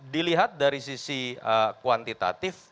dilihat dari sisi kuantitatif